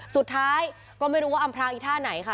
สุดท้ายก็ไม่รู้ว่าอำพรางอีท่าไหนค่ะ